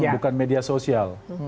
bukan media sosial